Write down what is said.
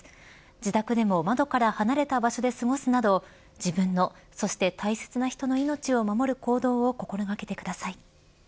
自宅でも窓から離れた場所で過ごすなど自分の、そして大切な人の命を守る行動を心掛けてください。